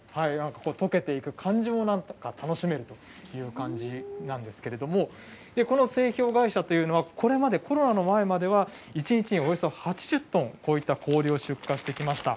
とけていく感じもなんか楽しめるという感じなんですけれども、この製氷会社というのはこれまでコロナの前までは、１日におよそ８０トン、こういった氷を出荷してきました。